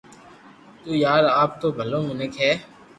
تو يار آپ تو ڀلو منيک ھي